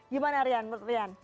gimana rian menurut rian